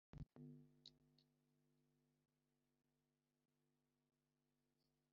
Baguye agacuho nta n’icumbi, bahuranya imihanda yose y’uwo murwa